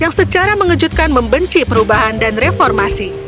dan secara mengejutkan membenci perubahan dan reformasi